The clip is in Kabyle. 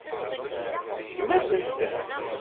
Tseggem-asen-tent.